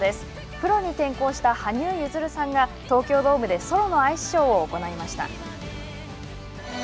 プロに転向した羽生結弦さんが東京ドームでソロのアイスショーを行いました。